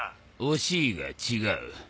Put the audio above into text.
惜しいが違う。